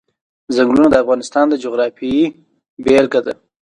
ځنګلونه د افغانستان د جغرافیې بېلګه ده.